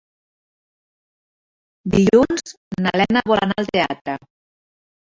Dilluns na Lena vol anar al teatre.